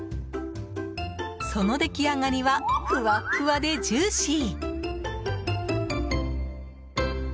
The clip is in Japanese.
その出来上がりはふわっふわでジューシー。